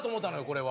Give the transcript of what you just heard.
これは。